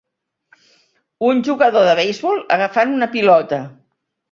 Un jugador de beisbol agafant una pilota